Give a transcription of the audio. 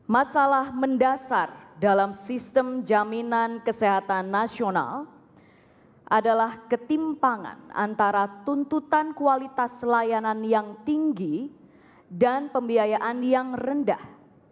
masalah mendasar dalam sistem jaminan kesehatan nasional adalah ketimpangan antara tuntutan kualitas layanan yang tinggi dan pembiayaan yang rendah